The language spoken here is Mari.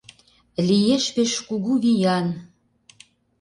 «Лиеш пеш кугу виян